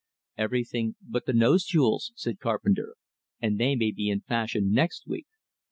"Everything but the nose jewels," said Carpenter, "and they may be in fashion next week."